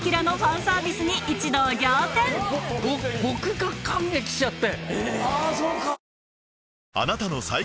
僕が感激しちゃって。